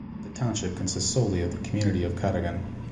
The township consists solely of the community of Cadogan.